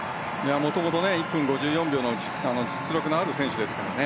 もともと１分５６秒の実力のある選手ですからね。